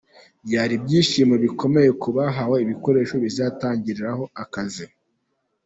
Byari ibyishimo bikomeye ku bahawe ibikoresho baziatangiriraho akazi.